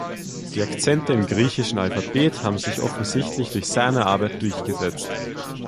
Die Akzente im griechischen Alphabet haben sich offensichtlich durch seine Arbeit durchgesetzt.